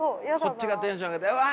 こっちがテンション上げてうわ！